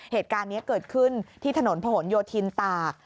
เหตุการณ์นี้เกิดขึ้นที่ถนนผนโยธินตาก